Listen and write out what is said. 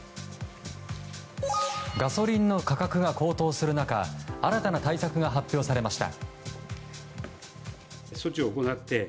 ガソリンの価格が高騰する中新たな対策が発表されました。